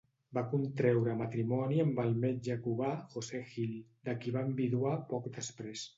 Va contreure matrimoni amb el metge cubà José Gil, de qui va enviduar poc després.